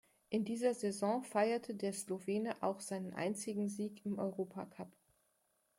In dieser Saison feierte der Slowene auch seinen einzigen Sieg im Europacup.